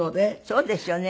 そうですよね。